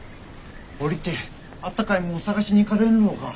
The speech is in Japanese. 下りてあったかいもん探しに行かれんろうか？